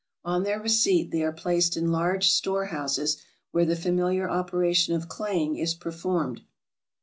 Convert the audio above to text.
On their receipt they are placed in large store houses, where the familiar operation of claying is performed.